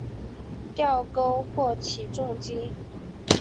吊钩或起重机。